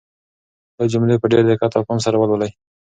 دا جملې په ډېر دقت او پام سره ولولئ.